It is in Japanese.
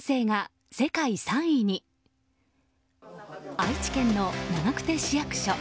愛知県の長久手市役所。